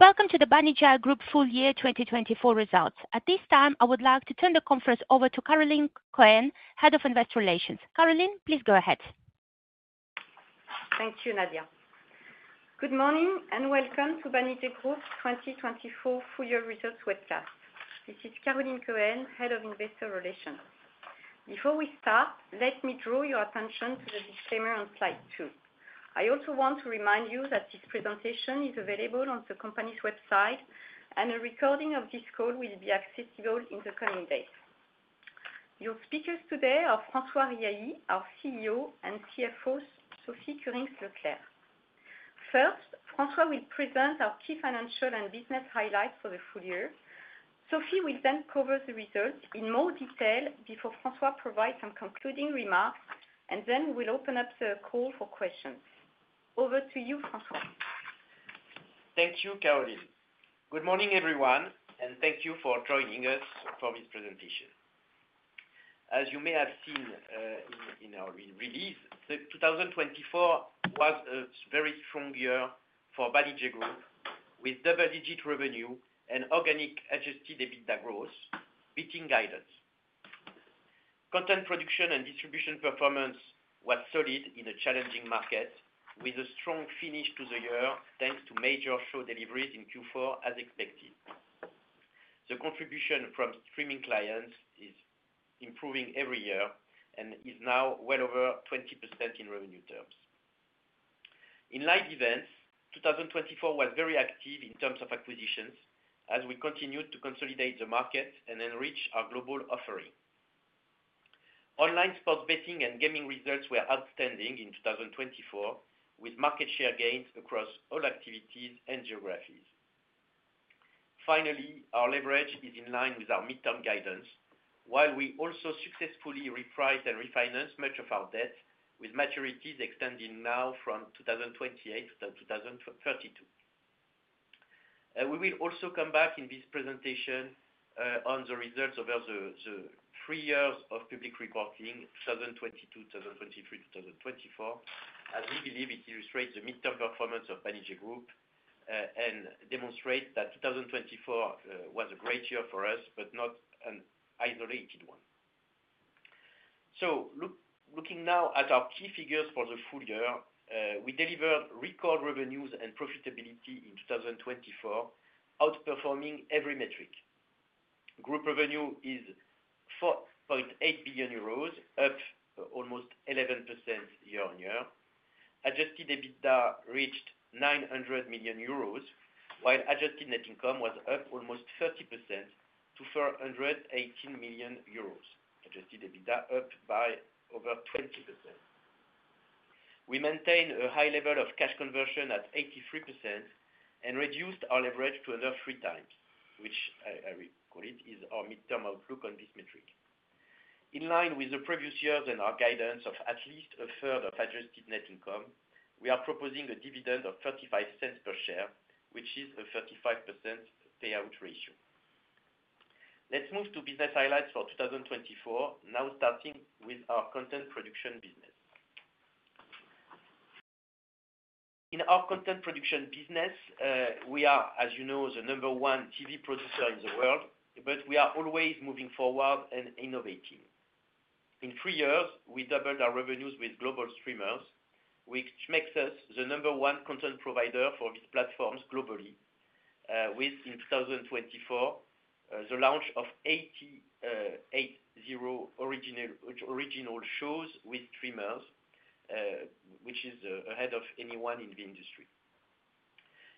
Welcome to the Banijay Group full year 2024 results. At this time, I would like to turn the conference over to Caroline Cohen, Head of Investor Relations. Caroline, please go ahead. Thank you, Nadia. Good morning and welcome to Banijay Group's 2024 full year results webcast. This is Caroline Cohen, Head of Investor Relations. Before we start, let me draw your attention to the disclaimer on slide two. I also want to remind you that this presentation is available on the company's website, and a recording of this call will be accessible in the coming days. Your speakers today are François Riahi, our CEO, and CFO Sophie Kurinckx-Leclerc. First, François will present our key financial and business highlights for the full year. Sophie will then cover the results in more detail before François provides some concluding remarks, and then we'll open up the call for questions. Over to you, François. Thank you, Caroline. Good morning, everyone, and thank you for joining us for this presentation. As you may have seen in our release, 2024 was a very strong year for Banijay Group, with double-digit revenue and organic adjusted EBITDA growth beating guidance. Content production and distribution performance were solid in a challenging market, with a strong finish to the year thanks to major show deliveries in Q4, as expected. The contribution from streaming clients is improving every year and is now well over 20% in revenue terms. In live events, 2024 was very active in terms of acquisitions, as we continued to consolidate the market and enrich our global offering. Online sports betting and gaming results were outstanding in 2024, with market share gains across all activities and geographies. Finally, our leverage is in line with our midterm guidance, while we also successfully repriced and refinanced much of our debt, with maturities extending now from 2028 to 2032. We will also come back in this presentation on the results over the three years of public reporting, 2022, 2023, 2024, as we believe it illustrates the midterm performance of Banijay Group and demonstrates that 2024 was a great year for us, but not an isolated one. Looking now at our key figures for the full year, we delivered record revenues and profitability in 2024, outperforming every metric. Group revenue is 4.8 billion euros, up almost 11% year on year. Adjusted EBITDA reached 900 million euros, while adjusted net income was up almost 30% to 418 million euros, adjusted EBITDA up by over 20%. We maintained a high level of cash conversion at 83% and reduced our leverage to under three times, which, I recall, is our midterm outlook on this metric. In line with the previous years and our guidance of at least a third of adjusted net income, we are proposing a dividend of 0.35 per share, which is a 35% payout ratio. Let's move to business highlights for 2024, now starting with our content production business. In our content production business, we are, as you know, the number one TV producer in the world, but we are always moving forward and innovating. In three years, we doubled our revenues with global streamers, which makes us the number one content provider for these platforms globally, with, in 2024, the launch of 88 original shows with streamers, which is ahead of anyone in the industry.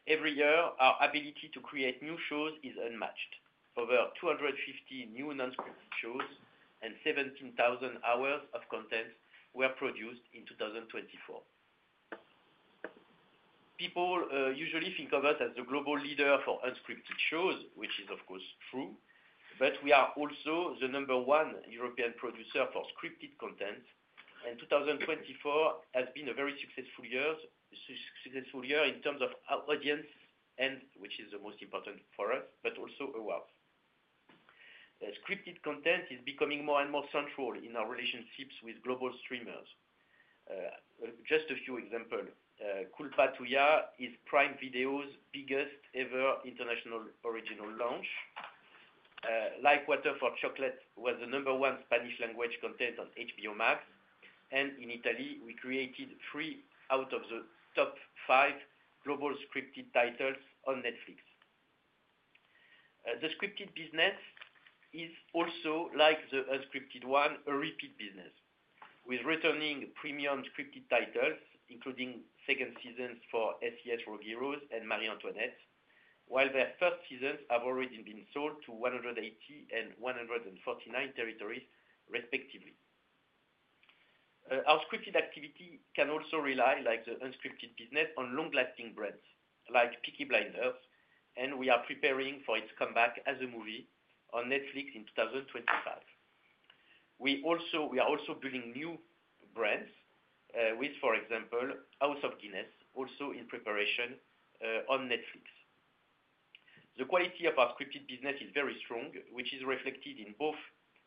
Every year, our ability to create new shows is unmatched. Over 250 new non-scripted shows and 17,000 hours of content were produced in 2024. People usually think of us as the global leader for unscripted shows, which is, of course, true, but we are also the number one European producer for scripted content, and 2024 has been a very successful year in terms of our audience, which is the most important for us, but also awards. Scripted content is becoming more and more central in our relationships with global streamers. Just a few examples: Culpa Tuya is Prime Video's biggest ever international original launch. Like Water for Chocolate was the number one Spanish-language content on HBO Max, and in Italy, we created three out of the top five global scripted titles on Netflix. The scripted business is also, like the unscripted one, a repeat business, with returning premium scripted titles, including second seasons for SCS Rogueros and Marie Antoinette, while their first seasons have already been sold to 180 and 149 territories, respectively. Our scripted activity can also rely, like the unscripted business, on long-lasting brands like Peaky Blinders, and we are preparing for its comeback as a movie on Netflix in 2025. We are also building new brands with, for example, House of Guinness, also in preparation on Netflix. The quality of our scripted business is very strong, which is reflected in both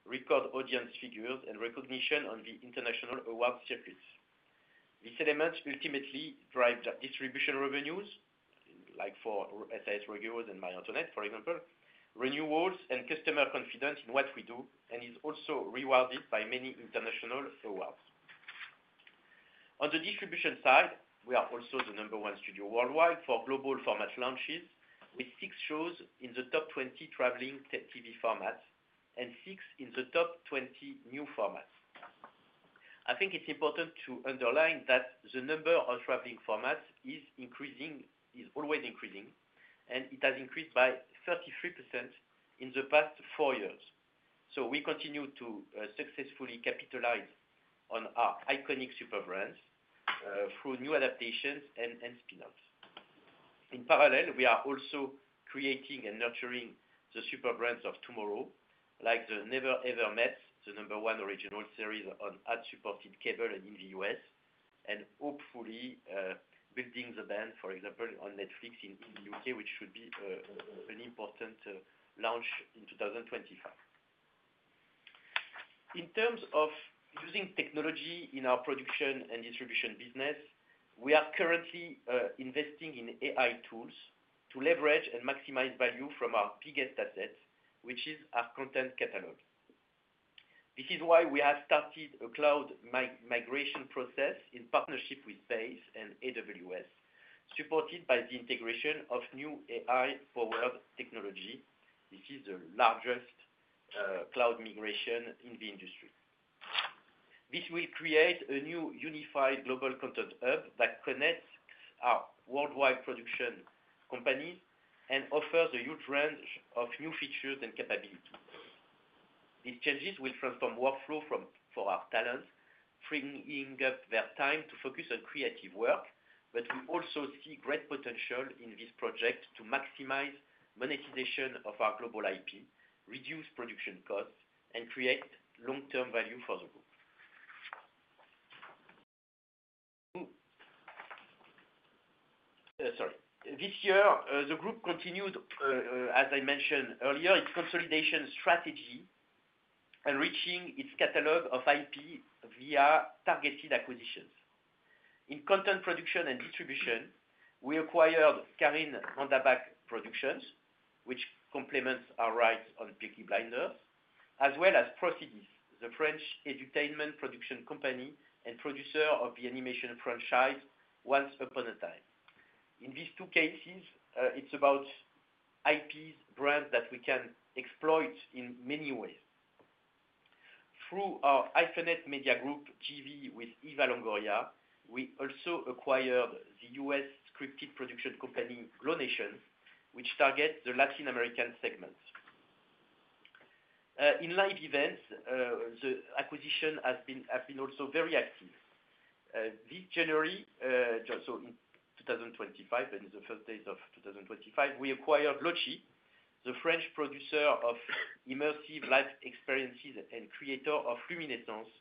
record audience figures and recognition on the international award circuits. These elements ultimately drive distribution revenues, like for SCS Rogueros and Marie Antoinette, for example, renewals and customer confidence in what we do, and is also rewarded by many international awards. On the distribution side, we are also the number one studio worldwide for global format launches, with six shows in the top 20 traveling TV formats and six in the top 20 new formats. I think it's important to underline that the number of traveling formats is always increasing, and it has increased by 33% in the past four years. We continue to successfully capitalize on our iconic superbrands through new adaptations and spin-offs. In parallel, we are also creating and nurturing the superbrands of tomorrow, like Never Ever Mets, the number one original series on ad-supported cable and in the U.S., and hopefully Building the Band, for example, on Netflix in the U.K., which should be an important launch in 2025. In terms of using technology in our production and distribution business, we are currently investing in AI tools to leverage and maximize value from our biggest asset, which is our content catalog. This is why we have started a cloud migration process in partnership with Banijay and AWS, supported by the integration of new AI-powered technology. This is the largest cloud migration in the industry. This will create a new unified global content hub that connects our worldwide production companies and offers a huge range of new features and capabilities. These changes will transform workflows for our talents, freeing up their time to focus on creative work, but we also see great potential in this project to maximize monetization of our global IP, reduce production costs, and create long-term value for the group. Sorry. This year, the group continued, as I mentioned earlier, its consolidation strategy, enriching its catalog of IP via targeted acquisitions. In content production and distribution, we acquired Caryn Mandabach Productions, which complements our rights on Peaky Blinders, as well as Procidis, the French edutainment production company and producer of the animation franchise Once Upon a Time. In these two cases, it's about IPs, brands that we can exploit in many ways. Through our iPhone Media Group TV with Eva Longoria, we also acquired the US scripted production company Glow Nation, which targets the Latin American segment. In live events, the acquisitions have been also very active. This January, so in 2025, in the first days of 2025, we acquired LOTCHI, the French producer of immersive live experiences and creator of Luminescence,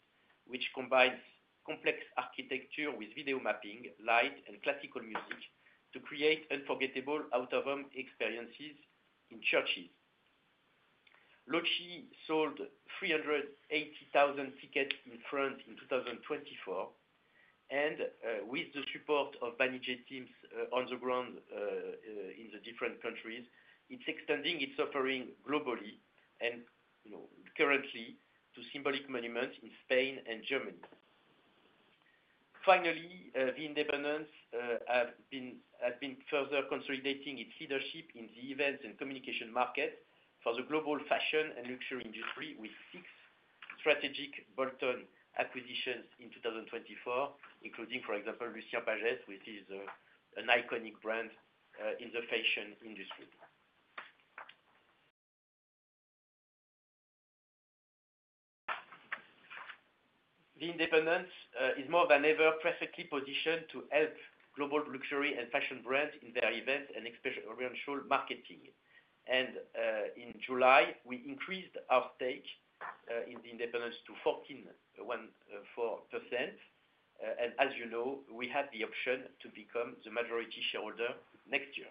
which combines complex architecture with video mapping, light, and classical music to create unforgettable out-of-home experiences in churches. Lochy sold 380,000 tickets in France in 2024, and with the support of Banijay teams on the ground in the different countries, it is extending its offering globally and currently to symbolic monuments in Spain and Germany. Finally, The Independents has been further consolidating its leadership in the events and communication market for the global fashion and luxury industry with six strategic bolt-on acquisitions in 2024, including, for example, Lucien Pagès, which is an iconic brand in the fashion industry. The Independents is more than ever perfectly positioned to help global luxury and fashion brands in their events and exposure show marketing. In July, we increased our stake in The Independents to 14.4%, and as you know, we had the option to become the majority shareholder next year.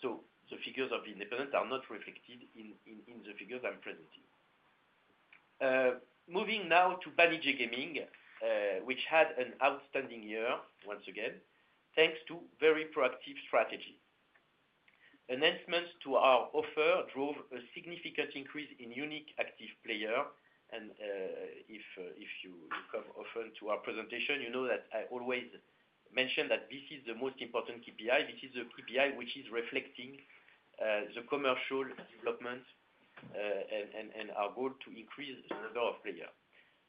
The figures of The Independents are not reflected in the figures I am presenting. Moving now to Banijay Gaming, which had an outstanding year, once again, thanks to very proactive strategy. Enhancements to our offer drove a significant increase in unique active players, and if you come often to our presentation, you know that I always mention that this is the most important KPI. This is the KPI which is reflecting the commercial development and our goal to increase the number of players.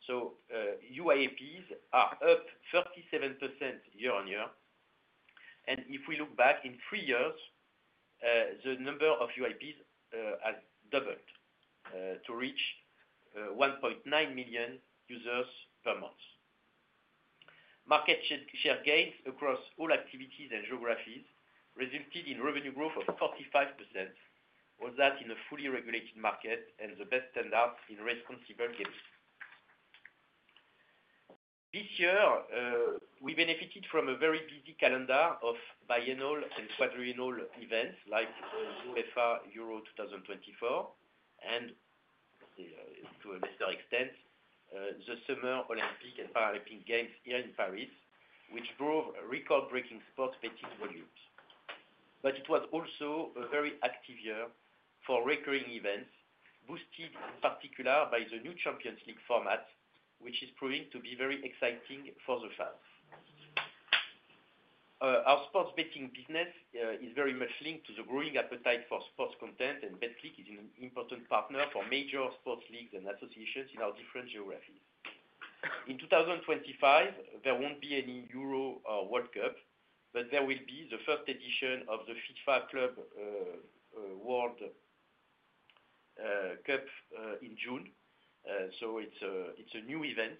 UIPs are up 37% year on year, and if we look back in three years, the number of UIPs has doubled to reach 1.9 million users per month. Market share gains across all activities and geographies resulted in revenue growth of 45%, all that in a fully regulated market and the best standards in responsible gaming. This year, we benefited from a very busy calendar of biennial and quadrennial events like the UEFA Euro 2024 and, to a lesser extent, the Summer Olympic and Paralympic Games here in Paris, which drove record-breaking sports betting volumes. It was also a very active year for recurring events, boosted in particular by the new Champions League format, which is proving to be very exciting for the fans. Our sports betting business is very much linked to the growing appetite for sports content, and Betclic is an important partner for major sports leagues and associations in our different geographies. In 2025, there will not be any Euro or World Cup, but there will be the first edition of the FIFA Club World Cup in June. It is a new event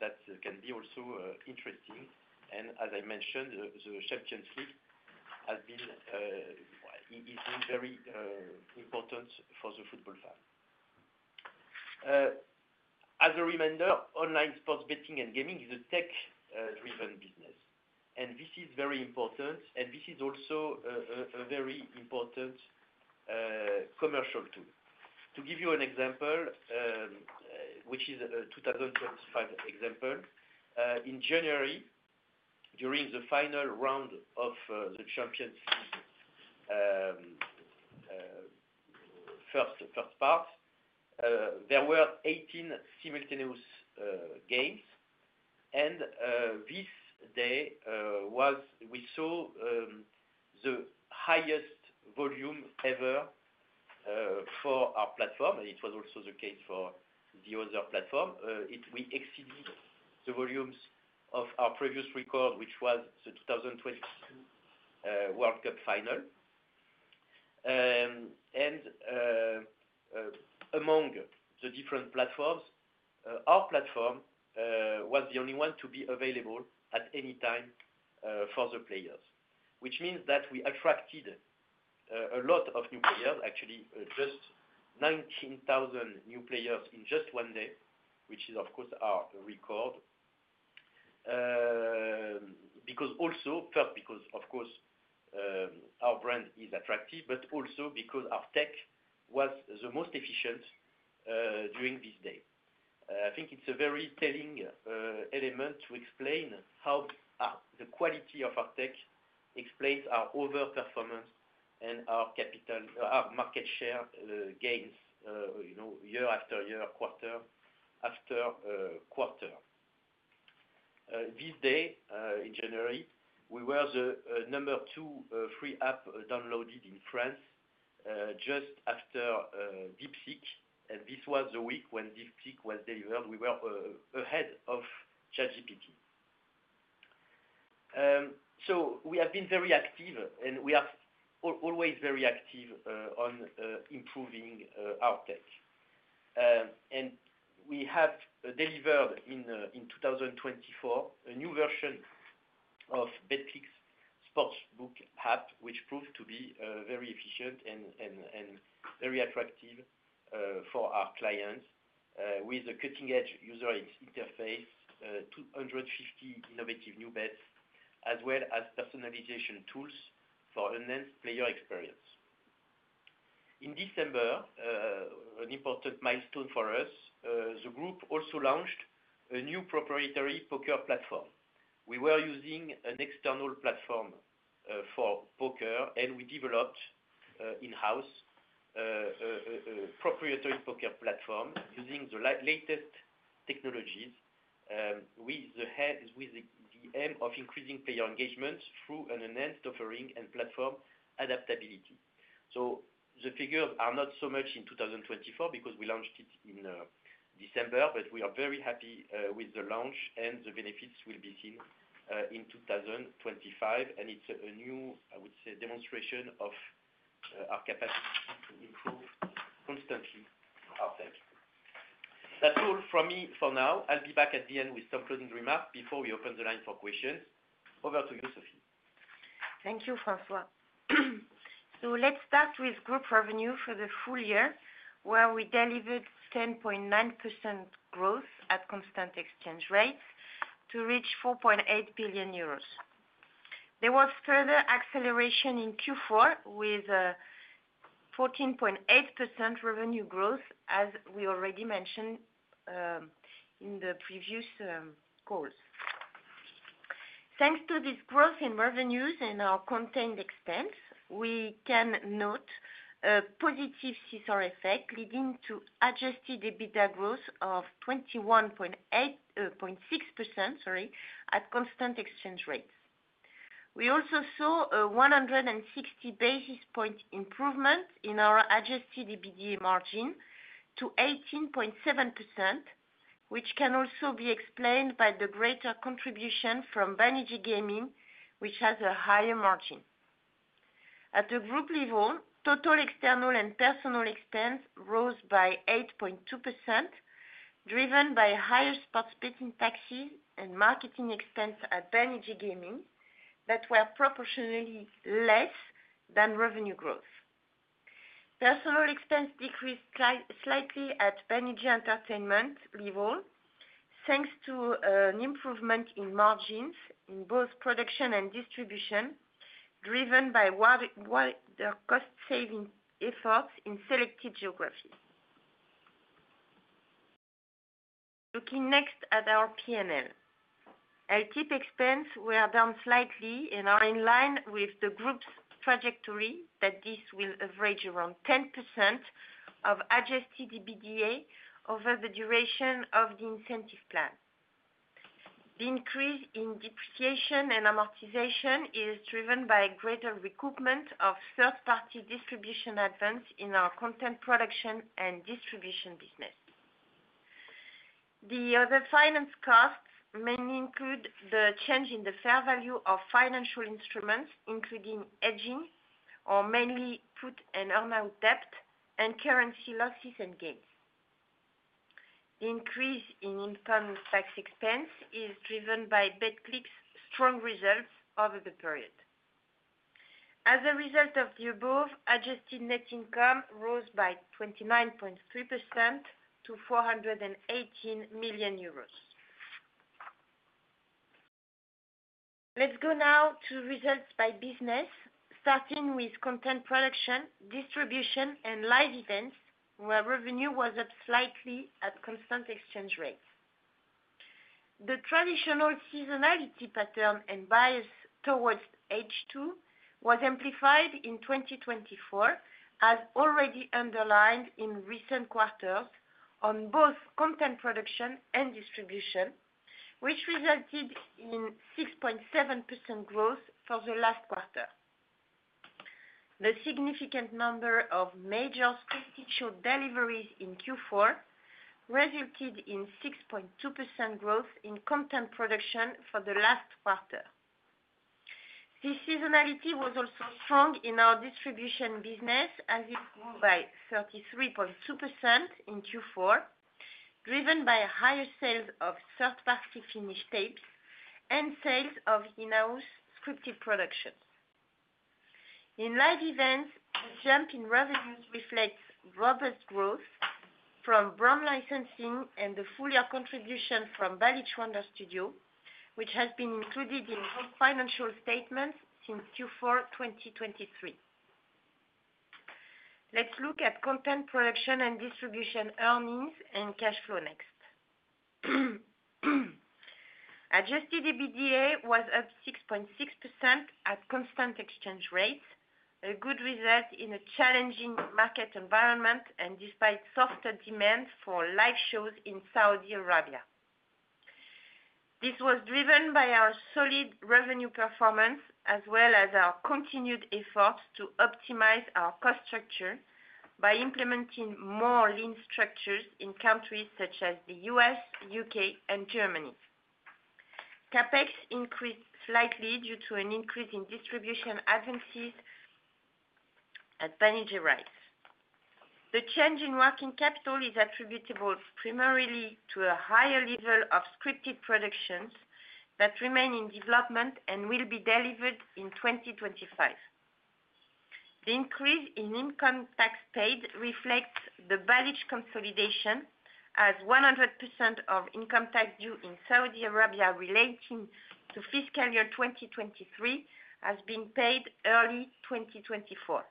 that can be also interesting, and as I mentioned, the Champions League is very important for the football fans. As a reminder, online sports betting and gaming is a tech-driven business, and this is very important, and this is also a very important commercial tool. To give you an example, which is a 2025 example, in January, during the final round of the Champions League first part, there were 18 simultaneous games, and this day we saw the highest volume ever for our platform, and it was also the case for the other platform. We exceeded the volumes of our previous record, which was the 2022 World Cup final. And among the different platforms, our platform was the only one to be available at any time for the players, which means that we attracted a lot of new players, actually just 19,000 new players in just one day, which is, of course, our record, first because, of course, our brand is attractive, but also because our tech was the most efficient during this day. I think it's a very telling element to explain how the quality of our tech explains our overperformance and our market share gains year after year, quarter after quarter. This day, in January, we were the number two free app downloaded in France just after DeepSeek, and this was the week when DeepSeek was delivered. We were ahead of ChatGPT. We have been very active, and we are always very active on improving our tech. We have delivered in 2024 a new version of Betclic's sports book app, which proved to be very efficient and very attractive for our clients, with a cutting-edge user interface, 250 innovative new bets, as well as personalization tools for enhanced player experience. In December, an important milestone for us, the group also launched a new proprietary poker platform. We were using an external platform for poker, and we developed in-house a proprietary poker platform using the latest technologies with the aim of increasing player engagement through an enhanced offering and platform adaptability. The figures are not so much in 2024 because we launched it in December, but we are very happy with the launch, and the benefits will be seen in 2025, and it's a new, I would say, demonstration of our capacity to improve constantly our tech. That's all from me for now. I'll be back at the end with some closing remarks before we open the line for questions. Over to you, Sophie. Thank you, François. Let's start with group revenue for the full year, where we delivered 10.9% growth at constant exchange rates to reach 4.8 billion euros. There was further acceleration in Q4 with 14.8% revenue growth, as we already mentioned in the previous calls. Thanks to this growth in revenues and our contained expense, we can note a positive CSR effect leading to adjusted EBITDA growth of 21.6% at constant exchange rates. We also saw a 160 basis point improvement in our adjusted EBITDA margin to 18.7%, which can also be explained by the greater contribution from Banijay Gaming, which has a higher margin. At the group level, total external and personnel expense rose by 8.2%, driven by higher sports betting taxes and marketing expense at Banijay Gaming that were proportionally less than revenue growth. Personnel expense decreased slightly at Banijay Entertainment level thanks to an improvement in margins in both production and distribution, driven by wider cost-saving efforts in selected geographies. Looking next at our P&L, LTIP expense went down slightly and are in line with the group's trajectory that this will average around 10% of adjusted EBITDA over the duration of the incentive plan. The increase in depreciation and amortization is driven by a greater recoupment of third-party distribution advance in our content production and distribution business. The other finance costs mainly include the change in the fair value of financial instruments, including hedging or mainly put and earn-out debt and currency losses and gains. The increase in income tax expense is driven by Betclic's strong results over the period. As a result of the above, adjusted net income rose by 29.3% to EUR 418 million. Let's go now to results by business, starting with content production, distribution, and live events, where revenue was up slightly at constant exchange rates. The traditional seasonality pattern and bias towards age two was amplified in 2024, as already underlined in recent quarters on both content production and distribution, which resulted in 6.7% growth for the last quarter. The significant number of major split-issue deliveries in Q4 resulted in 6.2% growth in content production for the last quarter. This seasonality was also strong in our distribution business, as it grew by 33.2% in Q4, driven by higher sales of third-party finish tapes and sales of in-house scripted productions. In live events, the jump in revenues reflects robust growth from brand licensing and the full-year contribution from Banijay Wonder Studio, which has been included in the financial statements since Q4 2023. Let's look at content production and distribution earnings and cash flow next. Adjusted EBITDA was up 6.6% at constant exchange rates, a good result in a challenging market environment and despite softer demand for live shows in Saudi Arabia. This was driven by our solid revenue performance as well as our continued efforts to optimize our cost structure by implementing more lean structures in countries such as the U.S., U.K., and Germany. CapEx increased slightly due to an increase in distribution advances at Banijay Rights. The change in working capital is attributable primarily to a higher level of scripted productions that remain in development and will be delivered in 2025. The increase in income tax paid reflects the Balij consolidation, as 100% of income tax due in Saudi Arabia relating to fiscal year 2023 has been paid early 2024.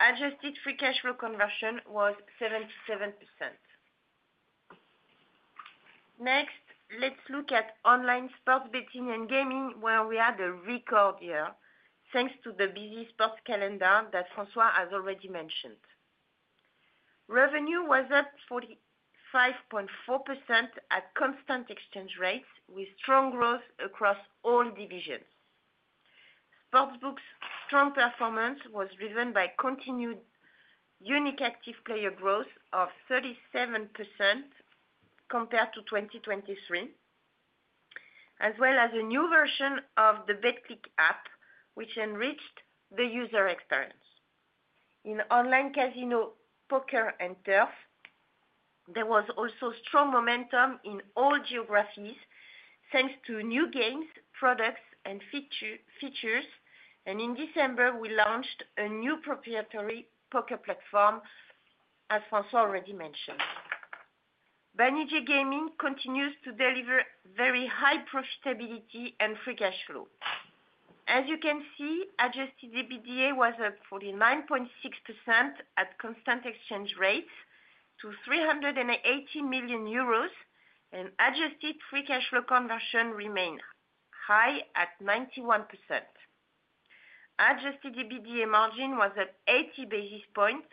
Adjusted free cash flow conversion was 77%. Next, let's look at online sports betting and gaming, where we had a record year thanks to the busy sports calendar that François has already mentioned. Revenue was up 45.4% at constant exchange rates, with strong growth across all divisions. Sportsbook's strong performance was driven by continued unique active player growth of 37% compared to 2023, as well as a new version of the Betclic app, which enriched the user experience. In online casino, poker, and turf, there was also strong momentum in all geographies thanks to new games, products, and features, and in December, we launched a new proprietary poker platform, as François already mentioned. Banijay Gaming continues to deliver very high profitability and free cash flow. As you can see, adjusted EBITDA was up 49.6% at constant exchange rates to 380 million euros, and adjusted free cash flow conversion remained high at 91%. Adjusted EBITDA margin was up 80 basis points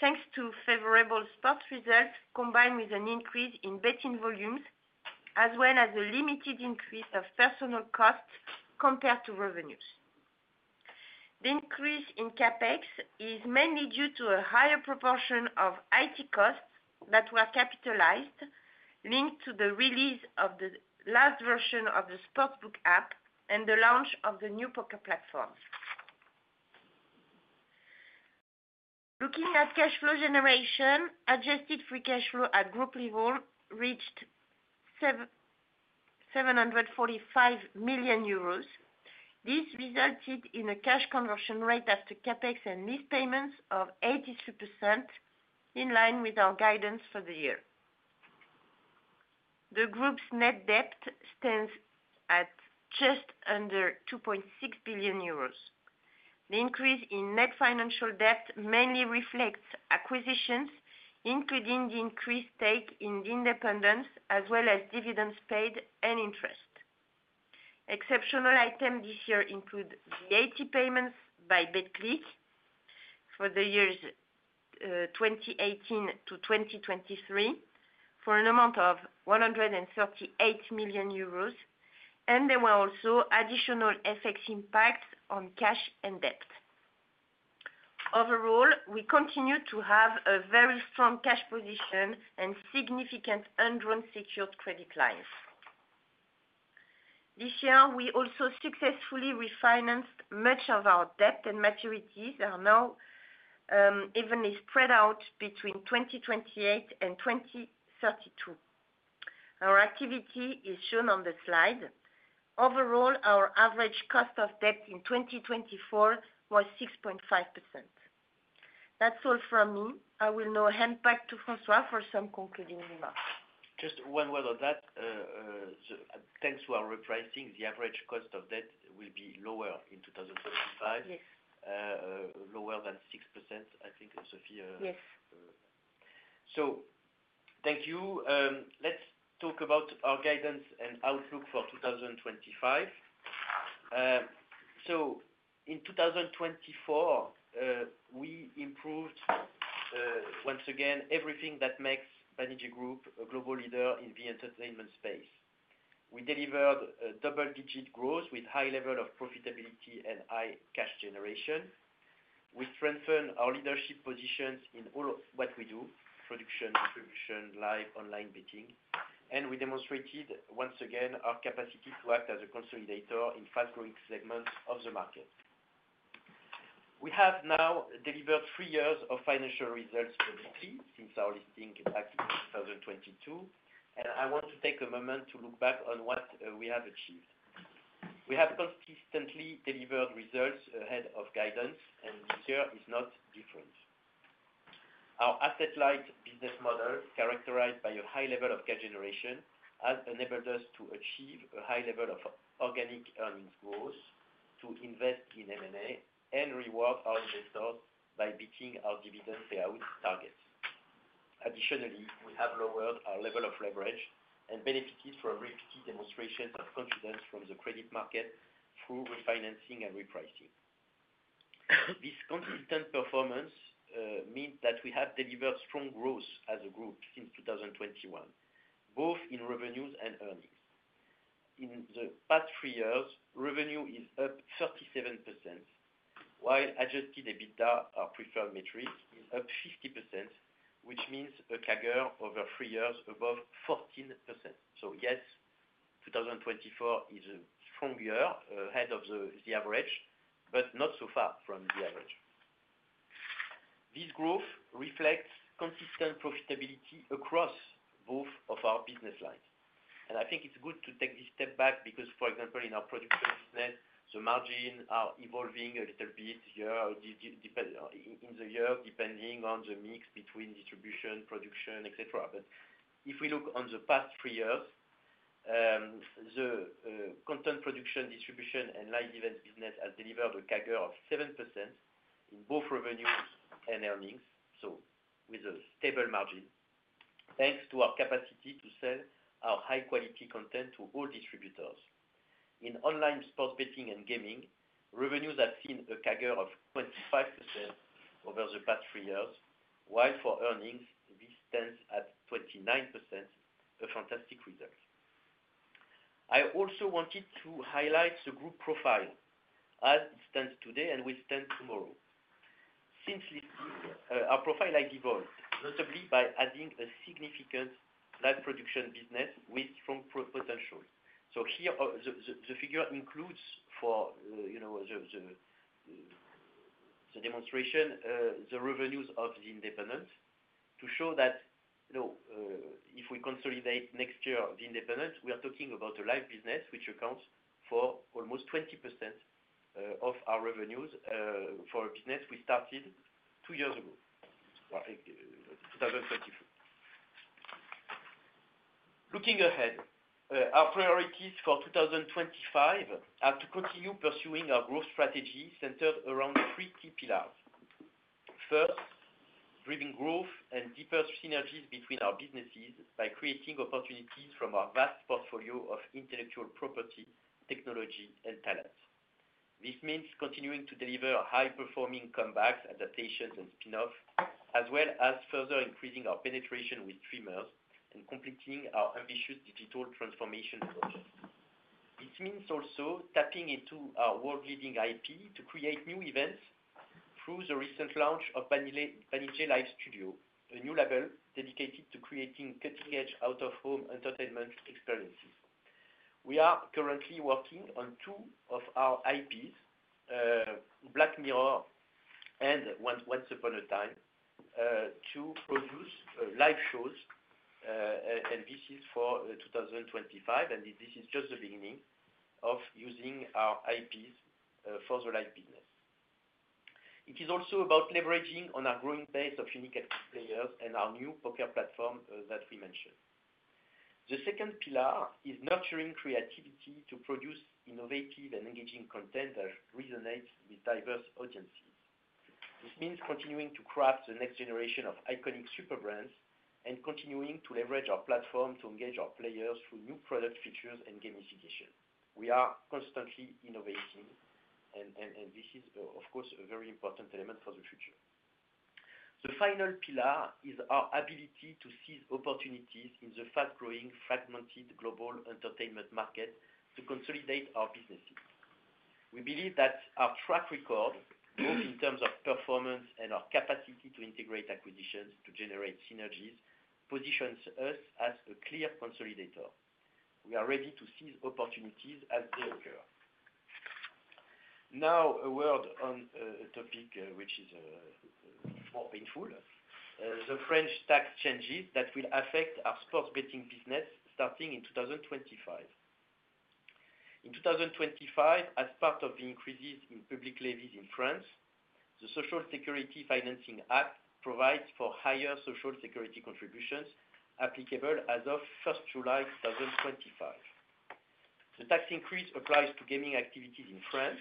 thanks to favorable sports results combined with an increase in betting volumes, as well as a limited increase of personnel costs compared to revenues. The increase in CapEx is mainly due to a higher proportion of IT costs that were capitalized, linked to the release of the last version of the sportsbook app and the launch of the new poker platform. Looking at cash flow generation, adjusted free cash flow at group level reached 745 million euros. This resulted in a cash conversion rate after CapEx and lease payments of 83%, in line with our guidance for the year. The group's net debt stands at just under 2.6 billion euros. The increase in net financial debt mainly reflects acquisitions, including the increased take in The Independents, as well as dividends paid and interest. Exceptional items this year include the IT payments by Betclic for the years 2018 to 2023 for an amount of 138 million euros, and there were also additional effects impacts on cash and debt. Overall, we continue to have a very strong cash position and significant un-drawn secured credit lines. This year, we also successfully refinanced much of our debt, and maturities are now evenly spread out between 2028 and 2032. Our activity is shown on the slide. Overall, our average cost of debt in 2024 was 6.5%. That's all from me. I will now hand back to François for some concluding remarks. Just one word on that. Thanks to our repricing, the average cost of debt will be lower in 2025. Yes. Lower than 6%, I think, Sophie. Yes. Thank you. Let's talk about our guidance and outlook for 2025. In 2024, we improved once again everything that makes Banijay Group a global leader in the entertainment space. We delivered double-digit growth with high level of profitability and high cash generation. We strengthened our leadership positions in all what we do: production, distribution, live, online betting. We demonstrated once again our capacity to act as a consolidator in fast-growing segments of the market. We have now delivered three years of financial results for Betclic since our listing back in 2022, and I want to take a moment to look back on what we have achieved. We have consistently delivered results ahead of guidance, and this year is not different. Our asset-light business model, characterized by a high level of cash generation, has enabled us to achieve a high level of organic earnings growth, to invest in M&A, and reward our investors by beating our dividend payout targets. Additionally, we have lowered our level of leverage and benefited from repeated demonstrations of confidence from the credit market through refinancing and repricing. This consistent performance means that we have delivered strong growth as a group since 2021, both in revenues and earnings. In the past three years, revenue is up 37%, while adjusted EBITDA, our preferred metric, is up 50%, which means a CAGR over three years above 14%. Yes, 2024 is a strong year ahead of the average, but not so far from the average. This growth reflects consistent profitability across both of our business lines. I think it's good to take this step back because, for example, in our production business, the margins are evolving a little bit in the year depending on the mix between distribution, production, etc. If we look on the past three years, the content production, distribution, and live events business has delivered a CAGR of 7% in both revenues and earnings, with a stable margin, thanks to our capacity to sell our high-quality content to all distributors. In online sports betting and gaming, revenues have seen a CAGR of 25% over the past three years, while for earnings, this stands at 29%, a fantastic result. I also wanted to highlight the group profile as it stands today and will stand tomorrow. Since listing, our profile has evolved, notably by adding a significant live production business with strong potential. Here, the figure includes for the demonstration the revenues of The Independents, to show that if we consolidate next year The Independents, we are talking about a live business which accounts for almost 20% of our revenues for a business we started two years ago, 2023. Looking ahead, our priorities for 2025 are to continue pursuing our growth strategy centered around three key pillars. First, driving growth and deeper synergies between our businesses by creating opportunities from our vast portfolio of intellectual property, technology, and talent. This means continuing to deliver high-performing comebacks, adaptations, and spin-offs, as well as further increasing our penetration with streamers and completing our ambitious digital transformation project. This means also tapping into our world-leading IP to create new events through the recent launch of Banijay Live Studio, a new label dedicated to creating cutting-edge out-of-home entertainment experiences. We are currently working on two of our IPs, Black Mirror and Once Upon a Time, to produce live shows, and this is for 2025, and this is just the beginning of using our IPs for the live business. It is also about leveraging on our growing base of unique players and our new poker platform that we mentioned. The second pillar is nurturing creativity to produce innovative and engaging content that resonates with diverse audiences. This means continuing to craft the next generation of iconic super brands and continuing to leverage our platform to engage our players through new product features and gamification. We are constantly innovating, and this is, of course, a very important element for the future. The final pillar is our ability to seize opportunities in the fast-growing, fragmented global entertainment market to consolidate our businesses. We believe that our track record, both in terms of performance and our capacity to integrate acquisitions to generate synergies, positions us as a clear consolidator. We are ready to seize opportunities as they occur. Now, a word on a topic which is more painful, the French tax changes that will affect our sports betting business starting in 2025. In 2025, as part of the increases in public levies in France, the Social Security Financing Act provides for higher Social Security contributions applicable as of July 1, 2025. The tax increase applies to gaming activities in France,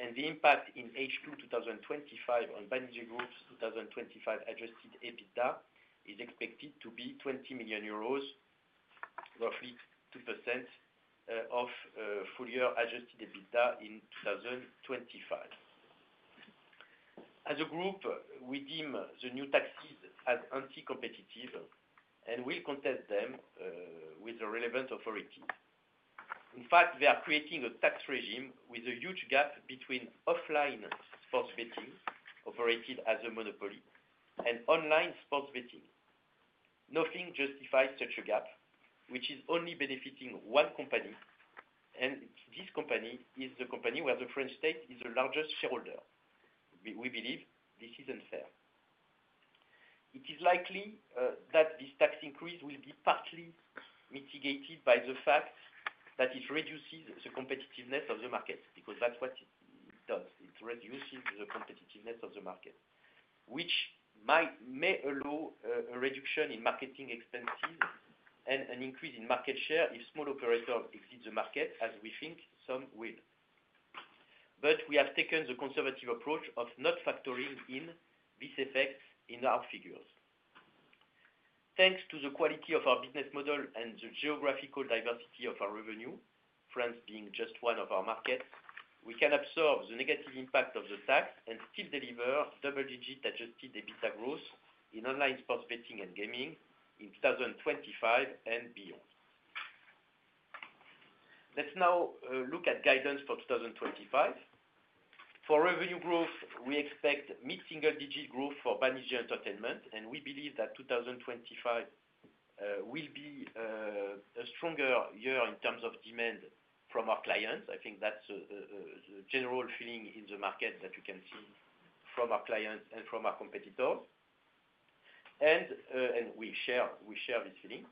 and the impact in H2 2025 on Banijay Group's 2025 adjusted EBITDA is expected to be 20 million euros, roughly 2% of full-year adjusted EBITDA in 2025. As a group, we deem the new taxes as anti-competitive and will contest them with the relevant authorities. In fact, we are creating a tax regime with a huge gap between offline sports betting, operated as a monopoly, and online sports betting. Nothing justifies such a gap, which is only benefiting one company, and this company is the company where the French state is the largest shareholder. We believe this is unfair. It is likely that this tax increase will be partly mitigated by the fact that it reduces the competitiveness of the market, because that's what it does. It reduces the competitiveness of the market, which may allow a reduction in marketing expenses and an increase in market share if small operators exit the market, as we think some will. We have taken the conservative approach of not factoring in these effects in our figures. Thanks to the quality of our business model and the geographical diversity of our revenue, France being just one of our markets, we can absorb the negative impact of the tax and still deliver double-digit adjusted EBITDA growth in online sports betting and gaming in 2025 and beyond. Let's now look at guidance for 2025. For revenue growth, we expect mid-single-digit growth for Banijay Entertainment, and we believe that 2025 will be a stronger year in terms of demand from our clients. I think that's the general feeling in the market that you can see from our clients and from our competitors, and we share this feeling.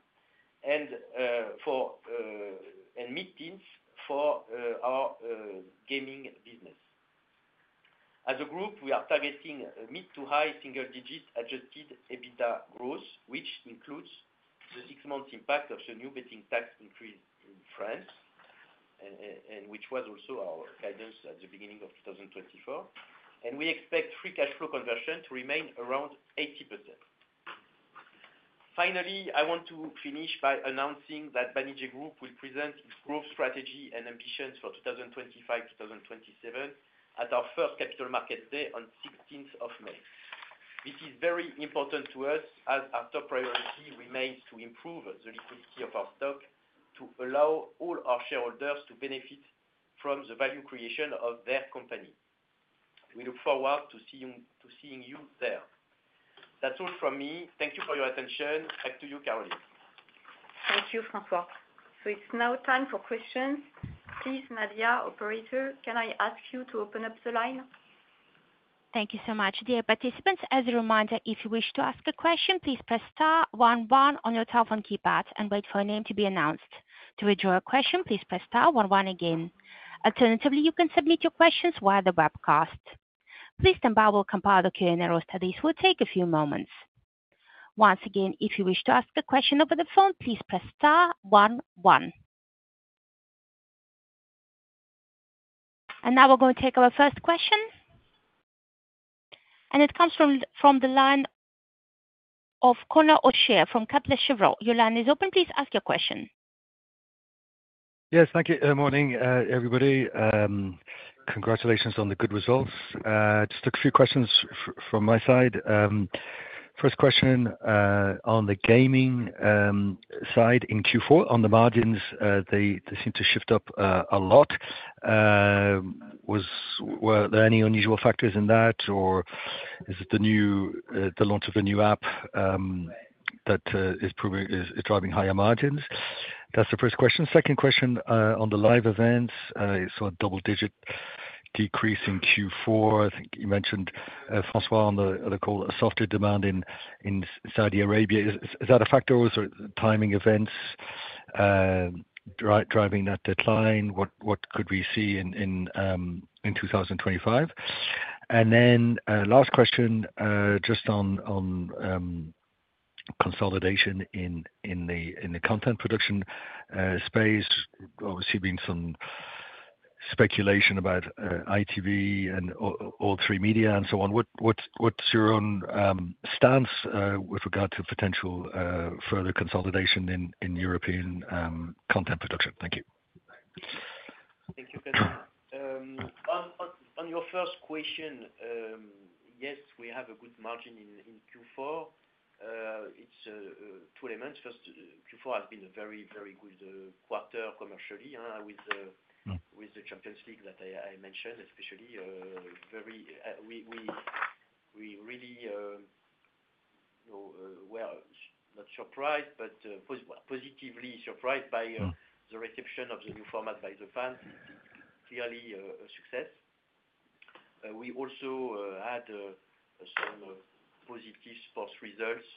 Mid-teens for our gaming business. As a group, we are targeting mid- to high-single-digit adjusted EBITDA growth, which includes the six-month impact of the new betting tax increase in France, which was also our guidance at the beginning of 2024. We expect free cash flow conversion to remain around 80%. Finally, I want to finish by announcing that Banijay Group will present its growth strategy and ambitions for 2025-2027 at our first capital markets day on 16th of May. This is very important to us as our top priority remains to improve the liquidity of our stock to allow all our shareholders to benefit from the value creation of their company. We look forward to seeing you there. That's all from me. Thank you for your attention. Back to you, Caroline. Thank you, François. It is now time for questions. Please, Nadia, operator, can I ask you to open up the line? Thank you so much. Dear participants, as a reminder, if you wish to ask a question, please press star 11 on your telephone keypad and wait for your name to be announced. To withdraw a question, please press star 11 again. Alternatively, you can submit your questions via the webcast. Please stand by while we compile the Q&A roll studies. It will take a few moments. Once again, if you wish to ask a question over the phone, please press star 11. We are going to take our first question. It comes from the line of Connor Oscher from Cutler Chevron. Your line is open. Please ask your question. Yes, thank you. Good morning, everybody. Congratulations on the good results. Just a few questions from my side. First question on the gaming side in Q4. On the margins, they seem to shift up a lot. Were there any unusual factors in that, or is it the launch of a new app that is driving higher margins? That is the first question. Second question on the live events. It is a double-digit decrease in Q4. I think you mentioned, François, on the call, softer demand in Saudi Arabia. Is that a factor, or is it timing events driving that deadline? What could we see in 2025? Last question, just on consolidation in the content production space, obviously being some speculation about ITV and All3Media and so on. What's your own stance with regard to potential further consolidation in European content production? Thank you. Thank you, Connor. On your first question, yes, we have a good margin in Q4. It's two elements. First, Q4 has been a very, very good quarter commercially with the Champions League that I mentioned, especially we really were not surprised, but positively surprised by the reception of the new format by the fans. It's clearly a success. We also had some positive sports results.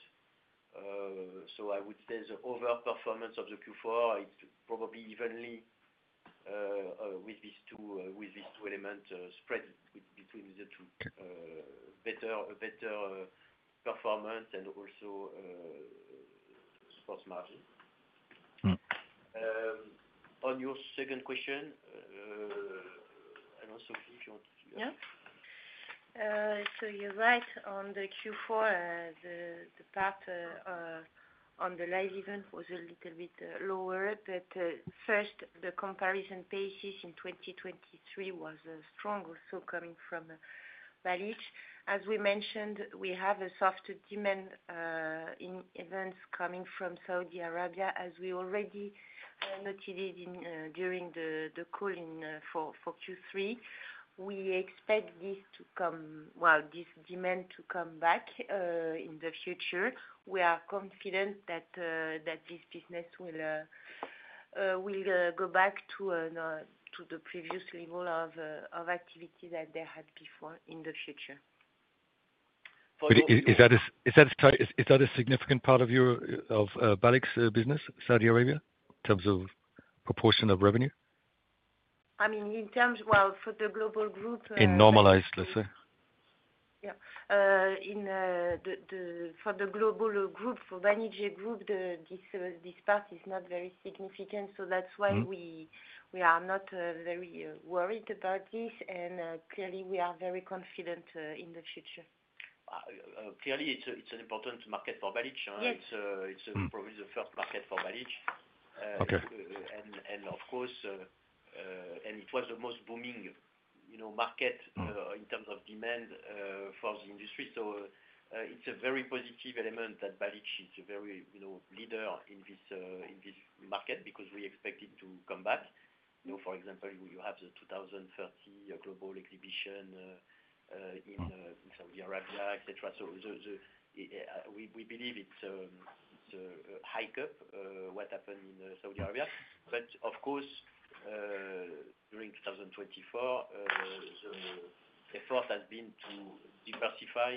I would say the overall performance of Q4 is probably evenly with these two elements spread between the two: better performance and also sports margin. On your second question, I don't know, Sophie, if you want to. Yeah. You're right. On the Q4, the part on the live event was a little bit lower. First, the comparison basis in 2023 was strong, also coming from Balij. As we mentioned, we have a soft demand in events coming from Saudi Arabia, as we already noted during the call for Q3. We expect this demand to come back in the future. We are confident that this business will go back to the previous level of activity that they had before in the future. Is that a significant part of Balij's business, Saudi Arabia, in terms of proportion of revenue? I mean, in terms, for the global group. In normalized, let's say. Yeah. For the global group, for Banijay Group, this part is not very significant. That is why we are not very worried about this. Clearly, we are very confident in the future. Clearly, it's an important market for Banijay. It's probably the first market for Banijay. Of course, it was the most booming market in terms of demand for the industry. It's a very positive element that Banijay is a very leader in this market because we expect it to come back. For example, you have the 2030 global exhibition in Saudi Arabia, etc. We believe it's a hike up what happened in Saudi Arabia. Of course, during 2024, the effort has been to diversify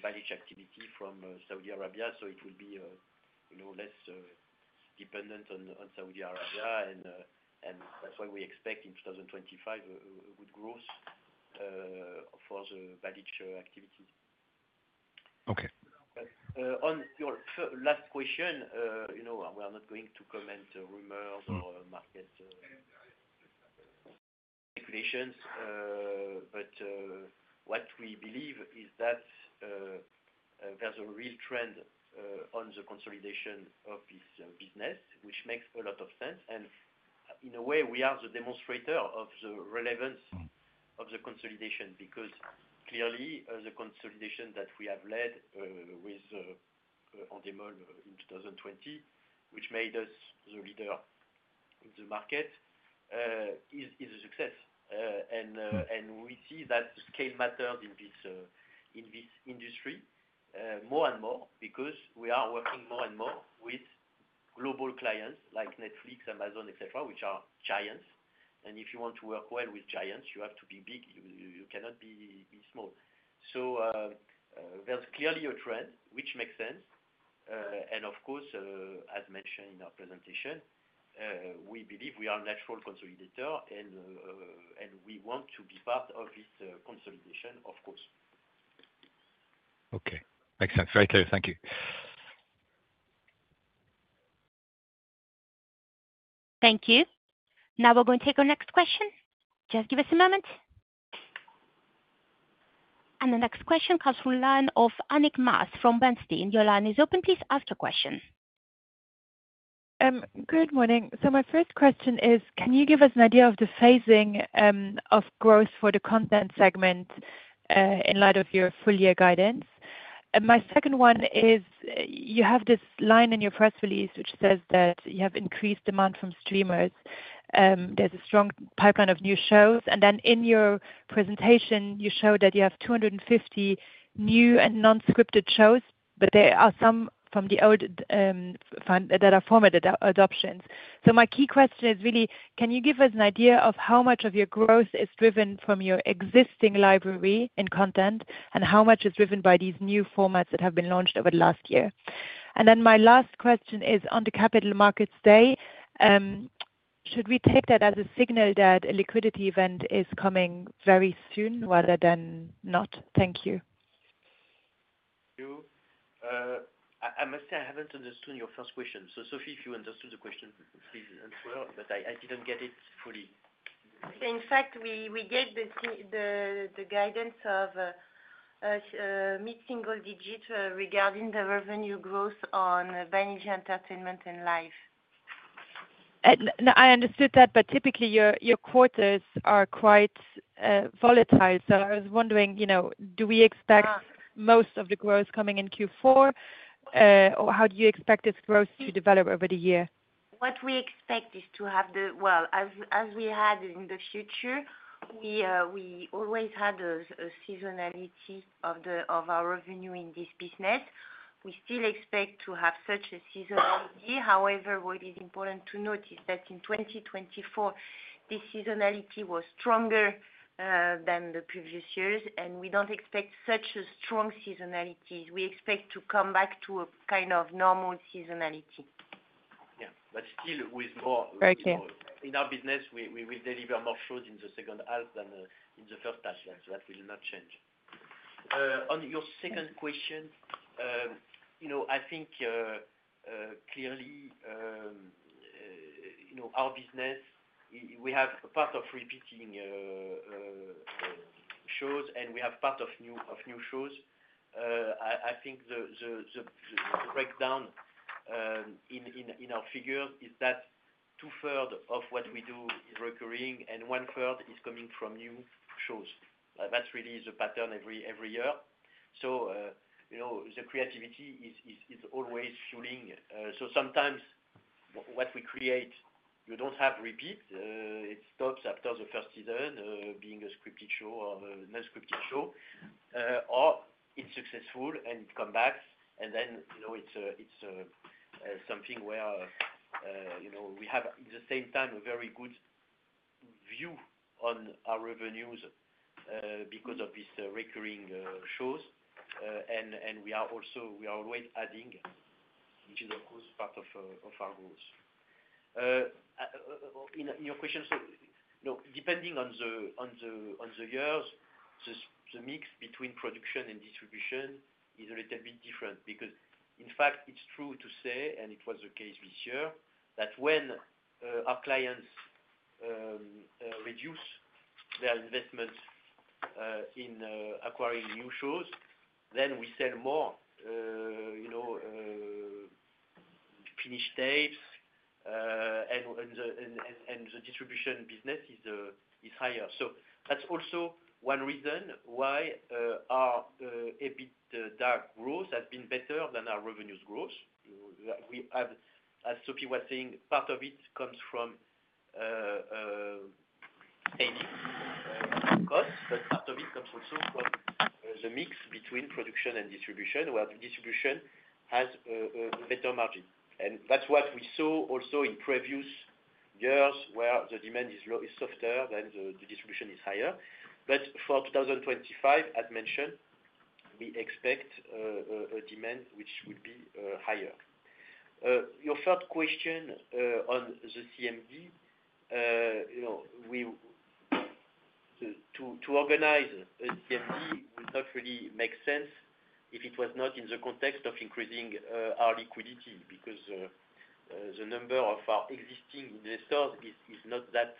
Banijay activity from Saudi Arabia, so it will be less dependent on Saudi Arabia. That's why we expect in 2025 a good growth for the Banijay activity. Okay. On your last question, we are not going to comment on rumors or market speculations. What we believe is that there's a real trend on the consolidation of this business, which makes a lot of sense. In a way, we are the demonstrator of the relevance of the consolidation because clearly, the consolidation that we have led with OnDemol in 2020, which made us the leader in the market, is a success. We see that the scale matters in this industry more and more because we are working more and more with global clients like Netflix, Amazon, etc., which are giants. If you want to work well with giants, you have to be big. You cannot be small. There's clearly a trend, which makes sense. Of course, as mentioned in our presentation, we believe we are a natural consolidator, and we want to be part of this consolidation, of course. Okay. Excellent. Very clear. Thank you. Thank you. Now we're going to take our next question. Just give us a moment. The next question comes from the line of Annick Maas from Bernstein. Your line is open. Please ask your question. Good morning. My first question is, can you give us an idea of the phasing of growth for the content segment in light of your full-year guidance? My second one is, you have this line in your press release which says that you have increased demand from streamers. There's a strong pipeline of new shows. In your presentation, you show that you have 250 new and non-scripted shows, but there are some from the old that are formatted adoptions. My key question is really, can you give us an idea of how much of your growth is driven from your existing library in content and how much is driven by these new formats that have been launched over the last year? My last question is, on the capital markets day, should we take that as a signal that a liquidity event is coming very soon rather than not? Thank you. Thank you. I must say I haven't understood your first question. If you understood the question, Sophie, please answer, but I didn't get it fully. In fact, we gave the guidance of mid-single digit regarding the revenue growth on Banijay Entertainment and Life. I understood that, but typically, your quarters are quite volatile. I was wondering, do we expect most of the growth coming in Q4, or how do you expect this growth to develop over the year? What we expect is to have the, as we had in the future, we always had a seasonality of our revenue in this business. We still expect to have such a seasonality. However, what is important to note is that in 2024, this seasonality was stronger than the previous years, and we do not expect such strong seasonalities. We expect to come back to a kind of normal seasonality. Yeah. Still, with more in our business, we will deliver more shows in the second half than in the first half. That will not change. On your second question, I think clearly, our business, we have a part of repeating shows, and we have part of new shows. I think the breakdown in our figures is that two-thirds of what we do is recurring, and one-third is coming from new shows. That's really the pattern every year. The creativity is always fueling. Sometimes what we create, you don't have repeat. It stops after the first season being a scripted show or non-scripted show, or it's successful and it comes back. It is something where we have, at the same time, a very good view on our revenues because of these recurring shows. We are always adding, which is, of course, part of our goals. In your question, depending on the years, the mix between production and distribution is a little bit different because, in fact, it's true to say, and it was the case this year, that when our clients reduce their investment in acquiring new shows, we sell more finished tapes, and the distribution business is higher. That is also one reason why our EBITDA growth has been better than our revenues growth. As Sophie was saying, part of it comes from saving costs, but part of it comes also from the mix between production and distribution, where the distribution has a better margin. That is what we saw also in previous years where the demand is softer than the distribution is higher. For 2025, as mentioned, we expect a demand which will be higher. Your first question on the CMD, to organize a CMD would not really make sense if it was not in the context of increasing our liquidity because the number of our existing investors is not that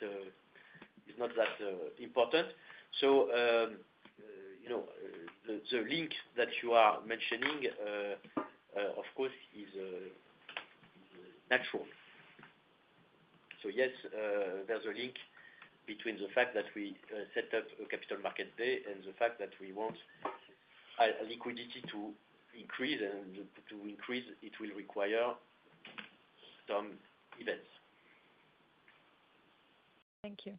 important. The link that you are mentioning, of course, is natural. Yes, there is a link between the fact that we set up a capital market day and the fact that we want liquidity to increase. To increase, it will require some events. Thank you.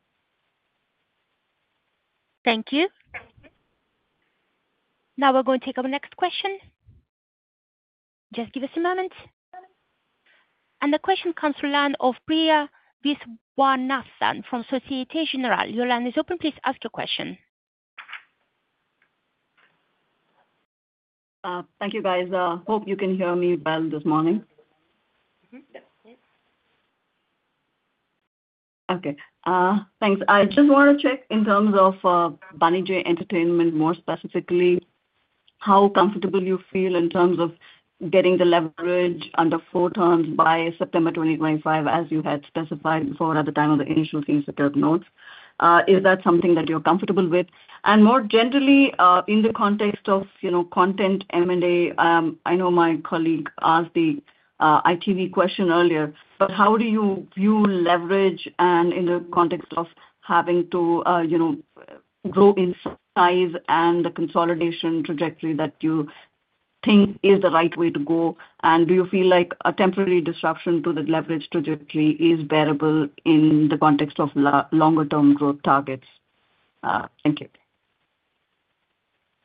Thank you. Now we're going to take our next question. Just give us a moment. The question comes from the line of Priya Vishwanathan from Société Générale. Your line is open. Please ask your question. Thank you, guys. I hope you can hear me well this morning. Okay. Thanks. I just want to check in terms of Banijay Entertainment, more specifically, how comfortable you feel in terms of getting the leverage under four times by September 2025, as you had specified before at the time of the initial things that I've noted. Is that something that you're comfortable with? More generally, in the context of content M&A, I know my colleague asked the ITV question earlier, but how do you view leverage in the context of having to grow in size and the consolidation trajectory that you think is the right way to go? Do you feel like a temporary disruption to the leverage trajectory is bearable in the context of longer-term growth targets? Thank you.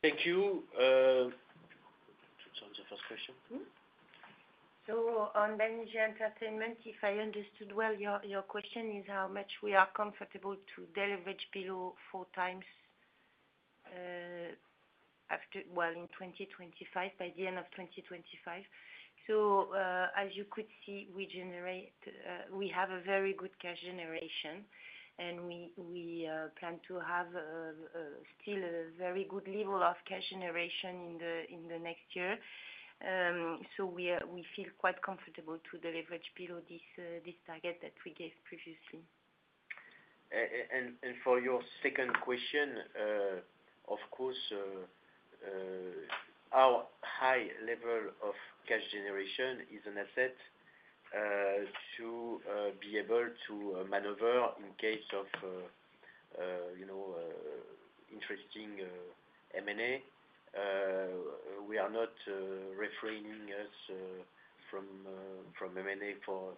Thank you. That was the first question. On Banijay Entertainment, if I understood well, your question is how much we are comfortable to deliver below four times after, in 2025, by the end of 2025. As you could see, we have a very good cash generation, and we plan to have still a very good level of cash generation in the next year. We feel quite comfortable to deliver below this target that we gave previously. For your second question, of course, our high level of cash generation is an asset to be able to maneuver in case of interesting M&A. We are not refraining us from M&A for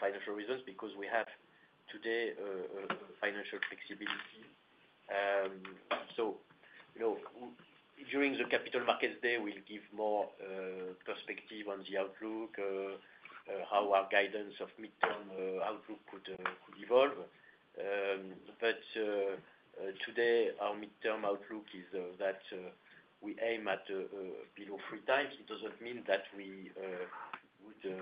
financial reasons because we have today financial flexibility. During the capital markets day, we will give more perspective on the outlook, how our guidance of mid-term outlook could evolve. Today, our mid-term outlook is that we aim at below three times. It doesn't mean that we would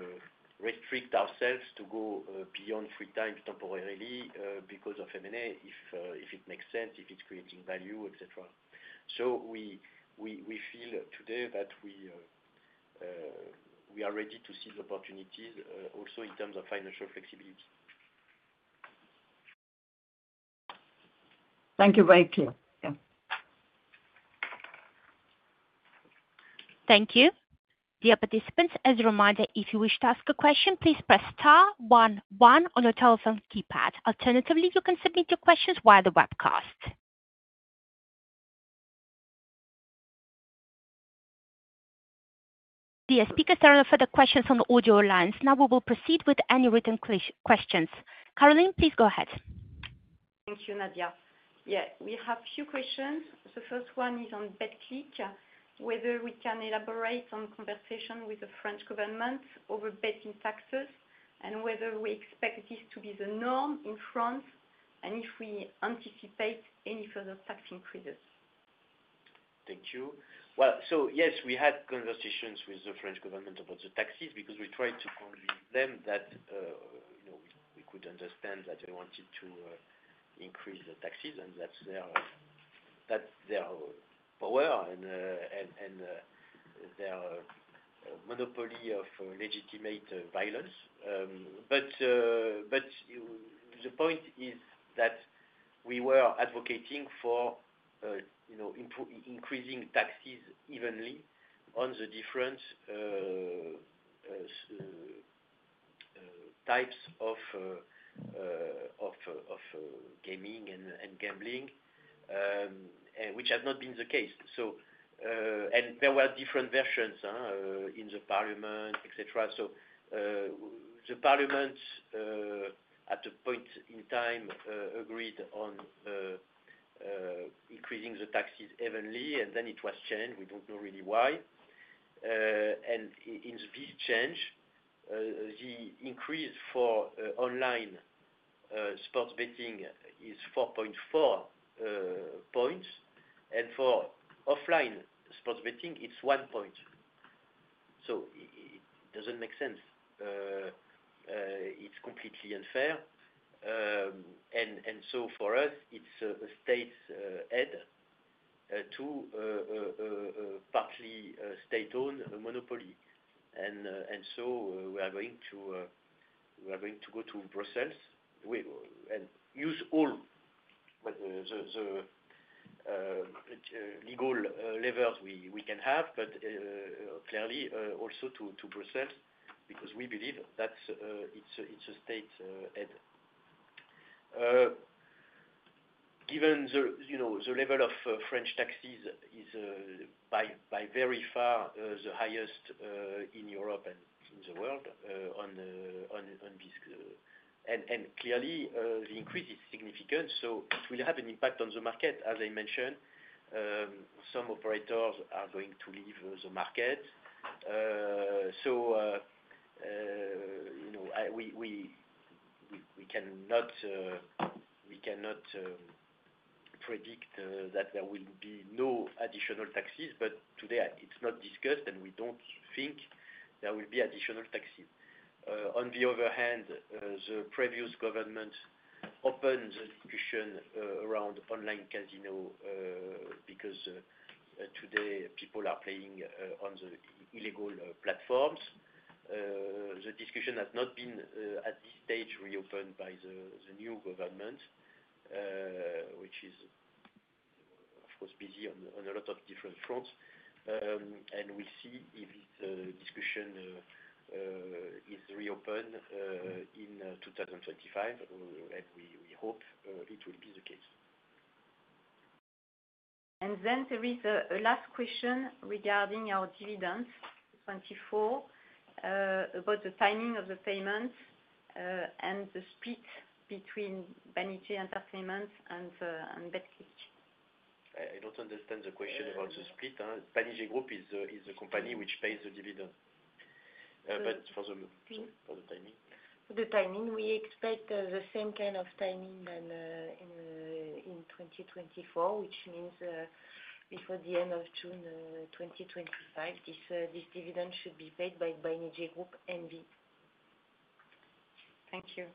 restrict ourselves to go beyond three times temporarily because of M&A, if it makes sense, if it's creating value, etc. We feel today that we are ready to see the opportunities also in terms of financial flexibility. Thank you, very clear. Yeah. Thank you. Dear participants, as a reminder, if you wish to ask a question, please press star 11 on your telephone keypad. Alternatively, you can submit your questions via the webcast. Dear speakers, there are no further questions on the audio lines. Now we will proceed with any written questions. Caroline, please go ahead. Thank you, Nadia. Yeah, we have a few questions. The first one is on Betclic, whether we can elaborate on conversation with the French government over betting taxes and whether we expect this to be the norm in France and if we anticipate any further tax increases. Thank you. Yes, we had conversations with the French government about the taxes because we tried to convince them that we could understand that they wanted to increase the taxes and that's their power and their monopoly of legitimate violence. The point is that we were advocating for increasing taxes evenly on the different types of gaming and gambling, which has not been the case. There were different versions in the parliament, etc. The parliament, at a point in time, agreed on increasing the taxes evenly, and then it was changed. We don't know really why. In this change, the increase for online sports betting is 4.4 percentage points, and for offline sports betting, it is 1 percentage point. It doesn't make sense. It's completely unfair. For us, it's a state aid to partly state-owned monopoly. We are going to go to Brussels and use all the legal levers we can have, but clearly also to Brussels because we believe that it's a state aid. Given the level of French taxes is by very far the highest in Europe and in the world on this, and clearly, the increase is significant, so it will have an impact on the market. As I mentioned, some operators are going to leave the market. We cannot predict that there will be no additional taxes, but today, it's not discussed, and we don't think there will be additional taxes. On the other hand, the previous government opened the discussion around online casino because today, people are playing on the illegal platforms. The discussion has not been, at this stage, reopened by the new government, which is, of course, busy on a lot of different fronts. We will see if the discussion is reopened in 2025, and we hope it will be the case. There is a last question regarding our dividends, 2024, about the timing of the payments and the split between Banijay Entertainment and Betclic. I do not understand the question about the split. Banijay Group is the company which pays the dividend. For the timing, we expect the same kind of timing in 2024, which means before the end of June 2025, this dividend should be paid by Banijay Group and VII. Thank you.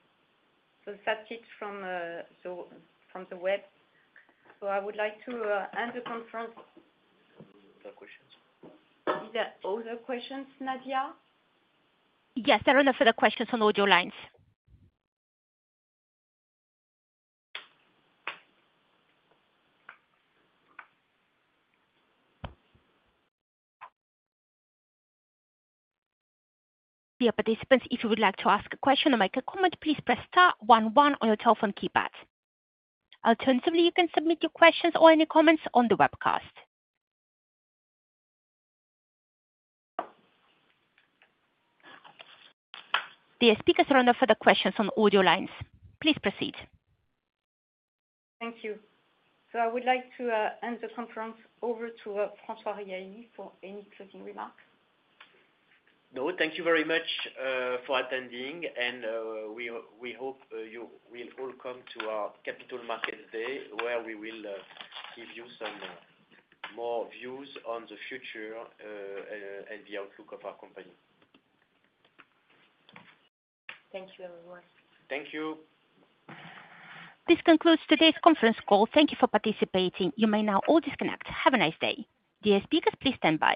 That is it from the web. I would like to end the conference. No other questions. Are there other questions, Nadia? Yes, there are no further questions on audio lines. Dear participants, if you would like to ask a question or make a comment, please press star 11 on your telephone keypad. Alternatively, you can submit your questions or any comments on the webcast. Dear speakers, there are no further questions on audio lines. Please proceed. Thank you. I would like to end the conference over to François Riahi for any closing remarks. No, thank you very much for attending, and we hope you will all come to our capital markets day where we will give you some more views on the future and the outlook of our company. Thank you, everyone. Thank you. This concludes today's conference call. Thank you for participating. You may now all disconnect. Have a nice day. Dear speakers, please stand by.